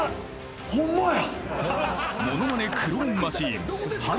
ホンマや。